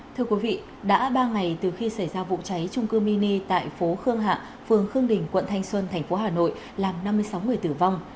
thưa quý vị đã ba ngày từ khi xảy ra vụ cháy trung cư mini tại phố khương hạ phường khương đình quận thanh xuân thành phố hà nội làm năm mươi sáu người tử vong